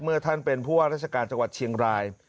ท่านเป็นผู้ว่าราชการจังหวัดเชียงราย